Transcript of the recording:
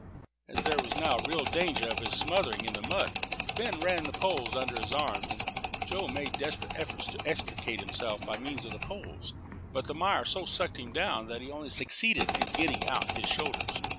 As there was now real danger of his smothering in the mud, Ben ran the poles under his arms. Joe made desperate efforts to extricate himself by means of the poles, but the mire so sucked him down, that he only succeeded in getting out his shoulders.